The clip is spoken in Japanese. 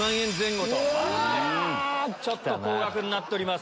ちょっと高額になっております。